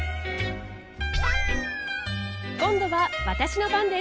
今度は私の番です。